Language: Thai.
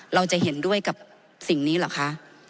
เราจะเห็นด้วยกับสิ่งนี้เหรอคะ